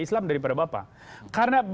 islam daripada bapak karena